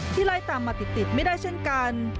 ไล่ตามมาติดไม่ได้เช่นกัน